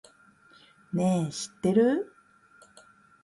ねぇ、知ってる？